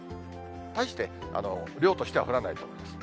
大して量としては降らないと思います。